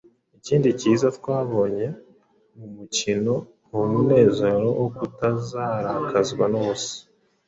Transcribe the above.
Ikindi kiza twabonye mu mukino ni umunezero no kutarakazwa n’ubusa.